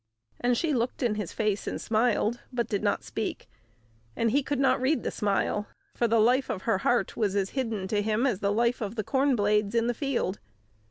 And she looked in his face and smiled, but did not speak; and he could not read the smile, for the life of her heart was as hidden to him as the life of the corn blades in the field.